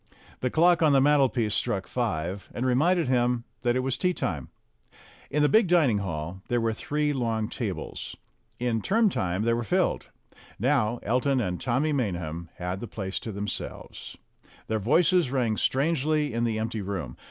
The clock on the mantelpiece struck five, and reminded him that it was tea time. In the big ioo STORIES WITHOUT TEARS dining hall there were three long tables. In term time they were rilled ; now Elton and Tommy Maynham had the place to themselves. Their voices rang strangely in the empty room.